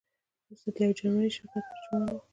وروسته د یو جرمني شرکت ترجمان وو.